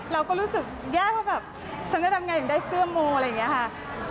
เราก็รู้สึกแย่ว่าแบบฉันจะทำงานถึงได้เสื้อโมอะไรอย่างนี้ค่ะ